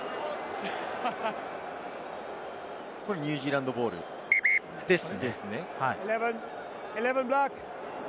ニュージーランドボールですね。